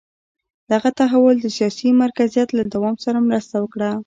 دغه تحول د سیاسي مرکزیت له دوام سره مرسته وکړه.